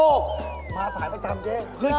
พ่อโบ๊คมาสายประจำเจ๊